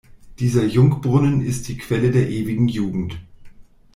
Dieser Jungbrunnen ist die Quelle der ewigen Jugend.